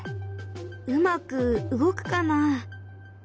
うまく動くかな。